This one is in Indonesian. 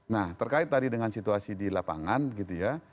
nah terkait tadi dengan situasi di lapangan gitu ya